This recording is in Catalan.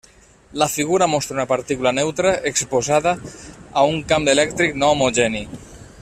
La figura mostra una partícula neutra exposada a un camp elèctric no homogeni.